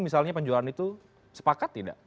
misalnya penjualan itu sepakat tidak